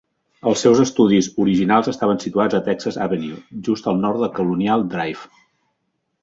Els seus estudis originals estaven situats a Texas Avenue, just al nord de Colonial Drive.